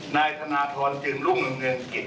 นายธนทรจึงรุ่งเรืองกิจ